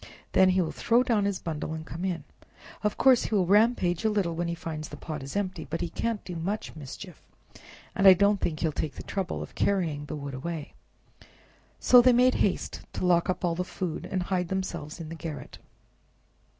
Then he will throw down his bundle and come in. Of course he will rampage a little when he finds the pot is empty, but he can't do much mischief, and I don't think he will take the trouble of carrying the wood away." So they made haste to lock up all the food and hide themselves in the garret.